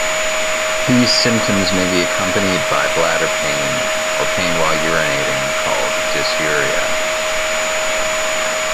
These symptoms may be accompanied by bladder pain or pain while urinating, called dysuria.